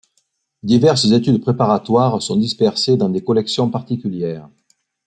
Diverses études préparatoires sont dispersées dans des collections particulières.